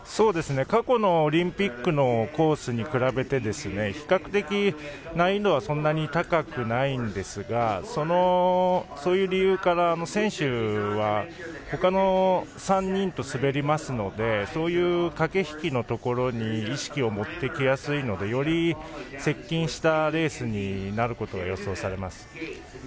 過去のオリンピックのコースに比べて、比較的難易度は高くないんですがそういう理由から選手はほかの３人と滑りますのでそういう駆け引きのところに意識を持っていきやすいのでより接近したレースになることが予想されます。